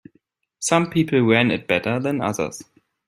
Some people ran it better than others.